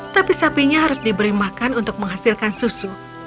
tapi sapinya harus diberi makan untuk menghasilkan susu